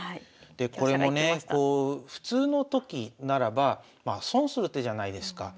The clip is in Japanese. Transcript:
でこれもね普通のときならばまあ損する手じゃないですか。